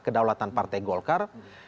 kedaulatan partai golkar